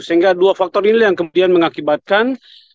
sehingga dua faktor ini yang kemudian mengakibatkan